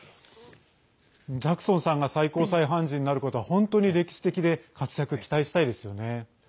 ジャクソンさんが最高裁判事になることは本当に歴史的で活躍、期待したいですよね。